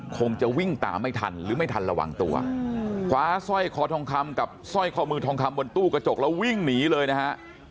คงจะวิ่งตามไม่ทันหรือไม่ทันระวังตัวคว้าสร้อยคอทองคำกับสร้อยคอมือทองคำบนตู้กระจกแล้ววิ่งหนีเลยนะฮะ